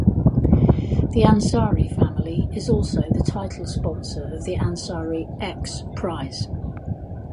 The Ansari family is also the title sponsor of the Ansari X Prize.